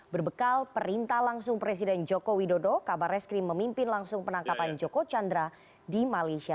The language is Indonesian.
berbekal perintah langsung presiden joko widodo kabar reskrim memimpin langsung penangkapan joko chandra di malaysia